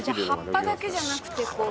じゃあ葉っぱだけじゃなくてこう。